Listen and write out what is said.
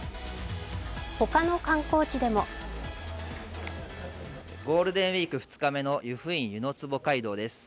ほかの観光地でもゴールデンウイーク２日目の湯布院・湯の坪街道です。